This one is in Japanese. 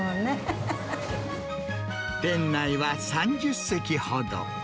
店内は３０席ほど。